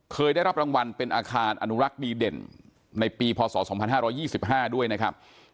เคยได้รับรางวัลเป็นอาคารอนุรักษ์ดีเด่นในปีพศ๒๕๒๕ด้วยนะครับ